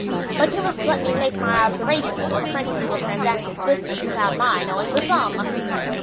But you must let me make my observations, or the Frenchman will transact his business without my knowing the sum."